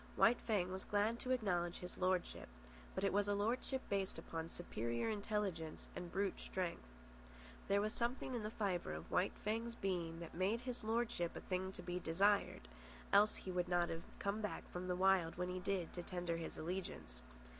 White Fang was glad to acknowledge his lordship, but it was a lordship based upon superior intelligence and brute strength. There was something in the fibre of White Fang's being that made his lordship a thing to be desired, else he would not have come back from the Wild when he did to tender his allegiance.